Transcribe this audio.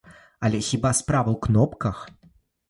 Але хіба справа ў кнопках?